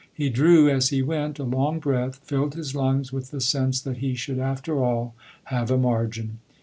He drew, as he went, a long breath filled his lungs with the sense that he should after all have a margin.